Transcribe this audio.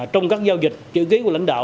trong các giao dịch chữ ký của lãnh đạo